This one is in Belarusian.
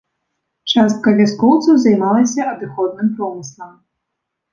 Частка вяскоўцаў займалася адыходным промыслам.